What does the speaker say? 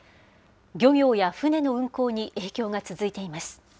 漁業や船の運航に影響が続いています。